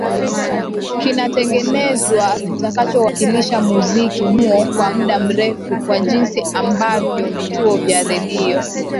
kinatengenezwa kitakacho wakilisha muziki huo kwa muda mrefu Kwa jinsi ambavyo vituo vya redio